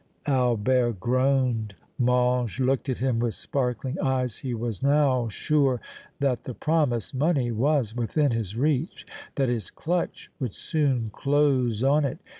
Albert groaned. Mange looked at him with sparkling eyes; he was now sure that the promised money was within his reach, that his clutch would soon close on it.